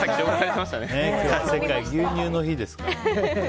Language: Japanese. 世界牛乳の日ですから。